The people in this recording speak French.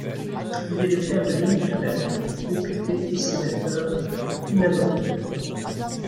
Il est le père de Louis Tribert, député et sénateur inamovible.